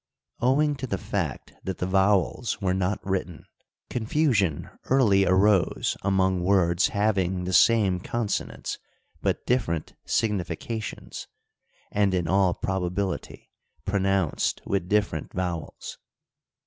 Owing to the fact that the vowels were not written, confusion early arose among words having the same consonants but different significa tions, and, in all probability, pronounced with different vowels.